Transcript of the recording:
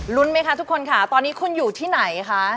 ไหมคะทุกคนค่ะตอนนี้คุณอยู่ที่ไหนคะ